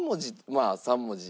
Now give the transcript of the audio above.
まあ３文字。